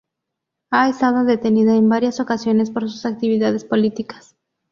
Ha estado detenida en varias ocasiones por sus actividades políticas.